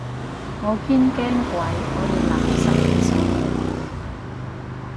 我堅驚鬼可以攬實佢手臂